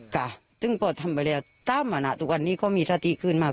กะตึงพอทำไปแล้วตามว่าน่ะทุกวันนี้ก็มีศติคืนมา